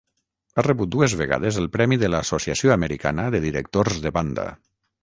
Ha rebut dues vegades el Premi de l'Associació Americana de directors de Banda.